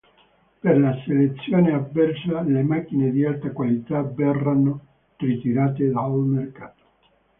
Per la selezione avversa le macchine di alta qualità verranno ritirate dal mercato.